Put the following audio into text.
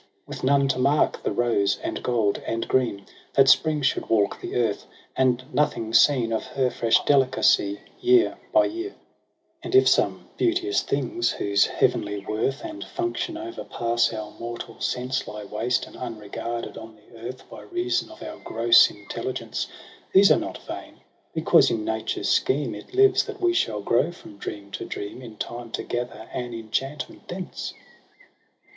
With none to mark the rose and gold and green 5 That Spring should walk the earth, and nothing seen Of her fresh delicacy year by year. 5 EROS €^ PSYCHE 6 And if some beauteous things, — whose heavenly worth And function overpass our mortal sense, — Lie waste and unregarded on the earth By reason of our gross intelligence. These are not vain, because in nature's scheme It lives that we shall grow from dream to dream In time to gather an enchantment thence.